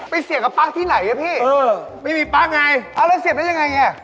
ไปเสียบกับปั๊กที่ไหนนะพี่ไม่มีปั๊กไงอ่าแล้วเสียบได้ยังไง